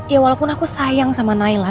ya walaupun aku sayang sama naila